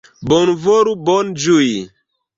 Bonvolu bone ĝui!